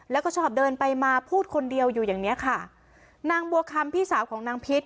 แล้วก็ชอบเดินไปมาพูดคนเดียวอยู่อย่างเนี้ยค่ะนางบัวคำพี่สาวของนางพิษ